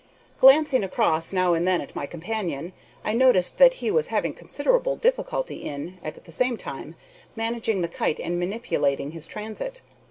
Glancing across now and then at my companion, I noticed that he was having considerable difficulty in, at the same time, managing the kite and manipulating his transit.